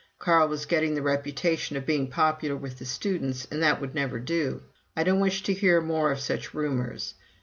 Carl was getting the reputation of being popular with the students, and that would never do. "I don't wish to hear more of such rumors."